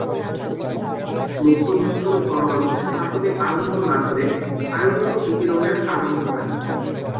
মুক্ত নিউট্রন, পরমাণুকে সরাসরি আয়নিত না করে, আয়নিত বিকিরণের কারণ ঘটায়।